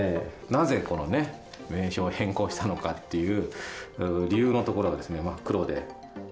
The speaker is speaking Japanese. なぜこのね、名称を変更したのかっていう部分が、理由のところが真っ黒で。